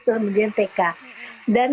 kemudian tk dan